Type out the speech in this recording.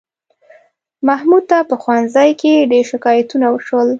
محمود ته په ښوونځي کې ډېر شکایتونه وشول